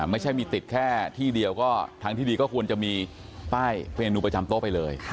ไม่ใช่มีติดแค่ที่เดียวก็ทางที่ดีก็ควรจะมีป้ายเวนูประจำโต๊ะไปเลย